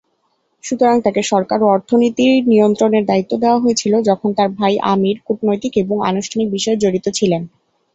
সুতরাং, তাকে সরকার ও অর্থনীতির নিয়ন্ত্রণের দায়িত্ব দেওয়া হয়েছিল, যখন তার ভাই আমির কূটনৈতিক এবং আনুষ্ঠানিক বিষয়ে জড়িত ছিলেন।